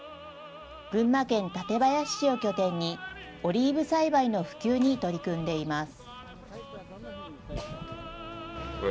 群馬県館林市を拠点に、オリーブ栽培の普及に取り組んでいます。